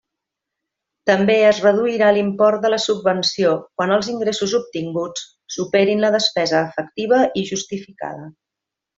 També es reduirà l'import de la subvenció quan els ingressos obtinguts superin la despesa efectiva i justificada.